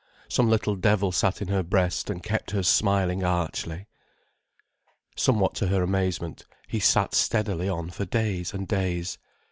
Some little devil sat in her breast and kept her smiling archly. Somewhat to her amazement, he sat steadily on for days and days.